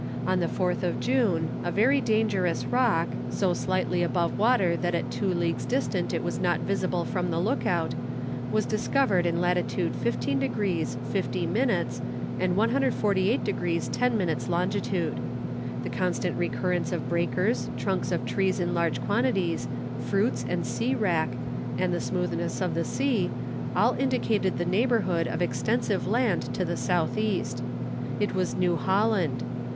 On the 4th of June, a very dangerous rock, so slightly above water that at two leagues' distant it was not visible from the look out, was discovered in latitude 15 degrees 50 minutes, and 148 degrees 10 minutes longitude. The constant recurrence of breakers, trunks of trees in large quantities, fruits and sea wrack, and the smoothness of the sea, all indicated the neighbourhood of extensive land to the south east. It was New Holland.